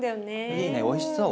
いいねおいしそう。